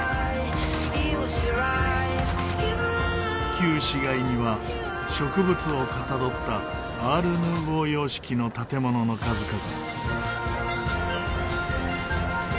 旧市街には植物をかたどったアールヌーボー様式の建物の数々。